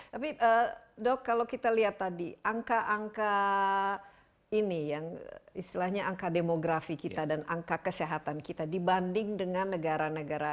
tapi dok kalau kita lihat tadi angka angka ini yang istilahnya angka demografi kita dan angka kesehatan kita dibanding dengan negara negara